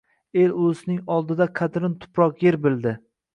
El-ulusning oldida qadrin tuproq, yer bildi